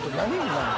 今の。